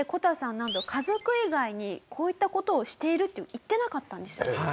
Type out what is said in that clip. なんと家族以外にこういった事をしているって言ってなかったんですよ。